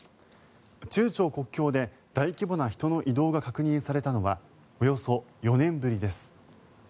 中朝国境で大規模な人の移動が確認されたのはおよそ４年ぶりです。